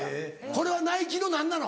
これはナイキの何なの？